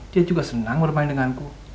dia juga senang bermain denganku